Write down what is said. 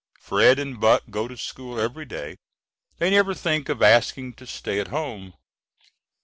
Fred and Buck go to school every day. They never think of asking to stay at home.